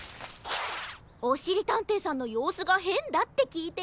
おしりたんていさんのようすがへんだってきいてよ。